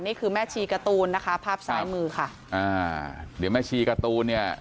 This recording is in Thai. นี่คือแม่ชีการ์ตูนนะคะภาพซ้ายมือค่ะอ่าเดี๋ยวแม่ชีการ์ตูนเนี่ย